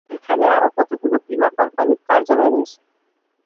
এখানে আরো কতগুলো বীমা কোম্পানির কার্যালয় রয়েছে।